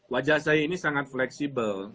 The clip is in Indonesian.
wajah saya ini sangat fleksibel